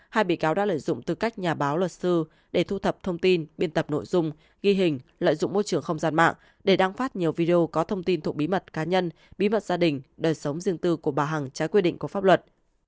hai bị cáo đã lợi dụng tư cách nhà báo luật sư để thu thập thông tin biên tập nội dung ghi hình lợi dụng môi trường không gian mạng để đăng phát nhiều video có thông tin thuộc bí mật cá nhân bí mật gia đình đời sống riêng tư của bà hằng trái quy định của pháp luật